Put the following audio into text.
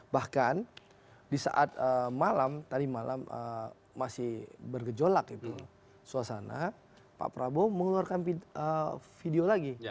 bahkan di saat malam tadi malam masih bergejolak itu suasana pak prabowo mengeluarkan video lagi